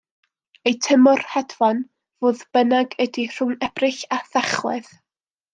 Eu tymor hedfan, fodd bynnag ydy rhwng Ebrill a Thachwedd.